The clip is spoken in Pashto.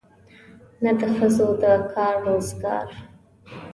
نه د ښځو د کار روزګار.